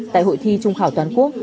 tại hội thi trung khảo toàn quốc